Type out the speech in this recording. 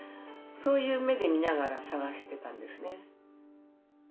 そういう目で見ながら探してたんですね。